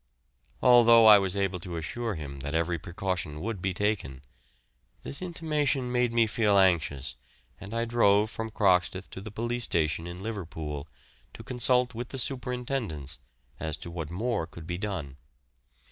Although I was able to assure him that every precaution would be taken, this intimation made me feel anxious and I drove from Croxteth to the police station in Liverpool to consult with the superintendents as to what more could be done.